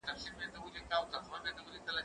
کېدای سي ليکلي پاڼي ګډ وي!!